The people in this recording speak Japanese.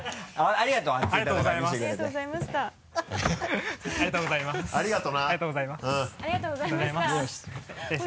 ありがとうございます。